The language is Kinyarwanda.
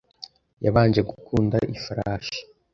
Yabanje gukunda ifarashi.